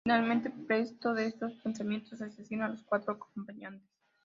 Finalmente preso de estos pensamientos asesina a los cuatro acompañantes.